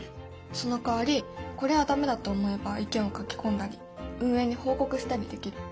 そのかわりこれは駄目だと思えば意見を書き込んだり運営に報告したりできる。